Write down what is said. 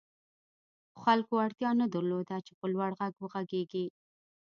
خلکو اړتیا نه درلوده چې په لوړ غږ وغږېږي